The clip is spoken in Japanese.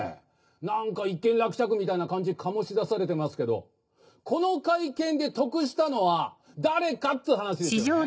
何か一件落着みたいな感じ醸し出されてますけどこの会見で得したのは誰かって話ですよね。